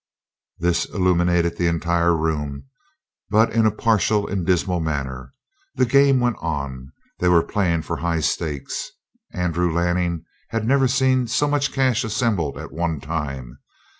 This illuminated the entire room, but in a partial and dismal manner. The game went on. They were playing for high stakes; Andrew Lanning had never seen so much cash assembled at one time.